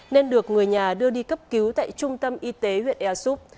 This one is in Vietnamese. nên được người nhà đưa đi cấp cứu tại trung tâm y tế huyện ea súp